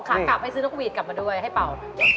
ขากลับให้ซื้อนกหวีดกลับมาด้วยให้เป่า